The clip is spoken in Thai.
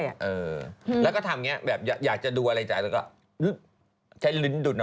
โอ้ยแล้วก็ทำนี้แบบอยากจะดูอะไรเนี้ยแล้วก็ใช้ลิ้นดุลอ่ะ